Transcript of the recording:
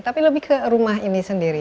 tapi lebih ke rumah ini sendiri